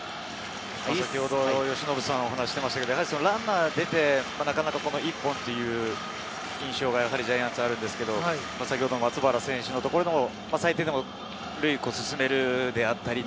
先ほど由伸さんがお話してましたけど、ランナーが出てなかなか１本っていう印象がジャイアンツはあるんですけれど、先ほどの松原選手のところでも最低でも塁を進めるであったり。